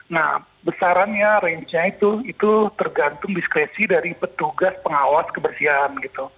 nah besarannya rangenya itu tergantung diskresi dari petugas pengawas kebersihan